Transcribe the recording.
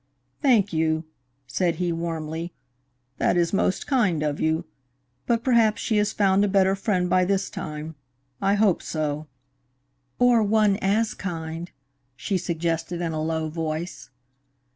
"Thank you," said he warmly. "That is most kind of you. But perhaps she has found a better friend by this time. I hope so." "Or one as kind," she suggested in a low voice.